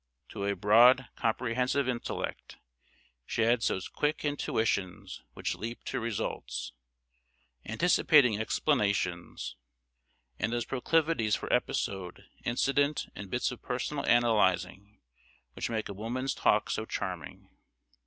To a broad, comprehensive intellect she adds those quick intuitions which leap to results, anticipating explanations, and those proclivities for episode, incident, and bits of personal analyzing, which make a woman's talk so charming.